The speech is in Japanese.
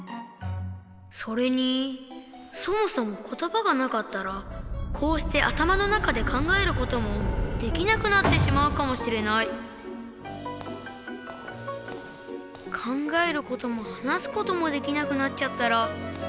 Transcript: それにそもそも言葉がなかったらこうして頭の中で考えることもできなくなってしまうかもしれない考えることも話すこともできなくなっちゃったら。